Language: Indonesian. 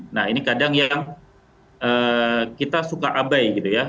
nah ini kadang yang kita suka abai gitu ya